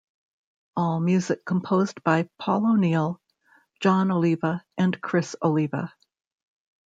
All music composed by Paul O'Neill, Jon Oliva and Criss Oliva.